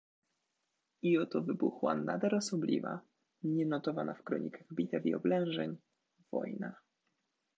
"I oto wybuchła nader osobliwa, nienotowana w kronikach bitew i oblężeń, wojna."